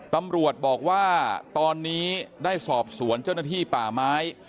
ตำรวจบอกว่าตอนนี้ได้สอบสวนเจ้าหน้าที่ป่าไม้